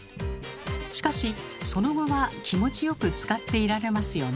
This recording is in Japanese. しかしその後は気持ちよくつかっていられますよね。